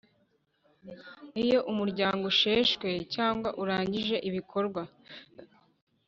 Iyo umuryango usheshwe cyangwa urangije ibikorwa